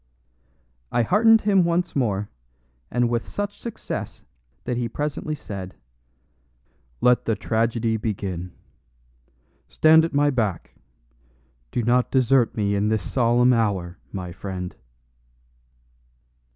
I heartened him once more, and with such success that he presently said, "Let the tragedy begin. Stand at my back; do not desert me in this solemn hour, my friend."